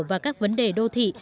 và các vấn đề đô thị